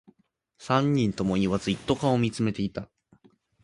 三人とも何も言わず、一斗缶を見つめていた